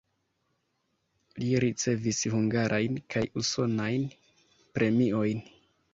Li ricevis hungarajn kaj usonajn premiojn.